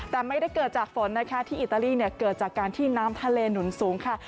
แต่ไม่ได้เกิดจากฝนนะคะที่อิตาลีเกิดจากการที่น้ำทะเลหนุนสูงค่ะ